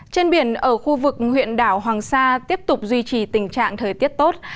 trên biển ở khu vực huyện đảo hoàng sa tiếp tục duy trì tình trạng thời tiết tốt